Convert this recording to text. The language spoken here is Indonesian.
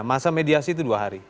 masa mediasi itu dua hari